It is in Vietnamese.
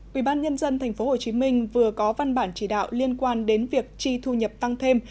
quỹ ban nhân dân tp hcm vừa có văn bản chỉ đạo liên quan đến việc chi thu nhập tăng thêm